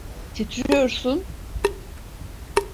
Titriyorsun.